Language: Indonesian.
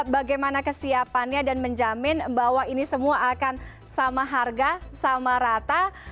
bagaimana kesiapannya dan menjamin bahwa ini semua akan sama harga sama rata